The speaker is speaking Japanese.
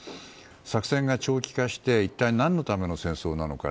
作戦が長期化して一体何のための戦争なのか。